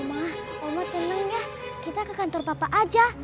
omah omah tenang ya kita ke kantor papa aja